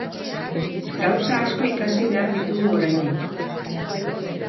Gauza asko ikasi behar ditugu oraindik.